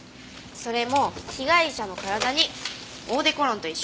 それも被害者の体にオーデコロンと一緒に。